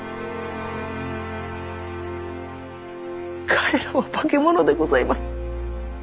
彼らは化け物でございます。